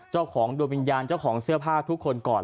เจ้าของดวงวิญญาณเจ้าของเสื้อผ้าทุกคนก่อน